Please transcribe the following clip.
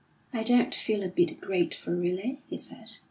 "I don't feel a bit grateful, really," he said.